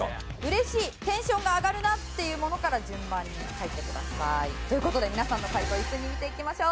嬉しいテンションが上がるなっていうものから順番に書いてください。という事で皆さんの解答一斉に見ていきましょう。